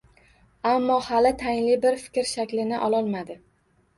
Ammo hali tayinli bir fikr shaklini ololmadi.